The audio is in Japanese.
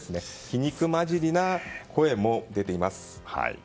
皮肉交じりな声も出ています。